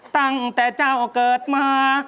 ตั้งแต่เจ้าเกิดมา